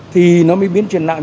thì nó mới biến chuyển nặng